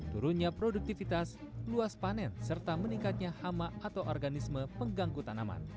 turunnya produktivitas luas panen serta meningkatnya hama atau organisme pengganggu tanaman